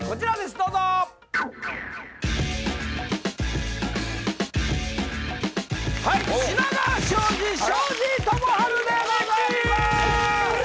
どうぞ品川庄司・庄司智春でございますミキティ！